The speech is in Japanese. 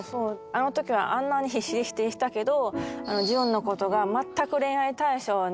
「あの時はあんなに必死で否定したけど」